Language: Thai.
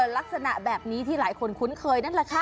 ลักษณะแบบนี้ที่หลายคนคุ้นเคยนั่นแหละค่ะ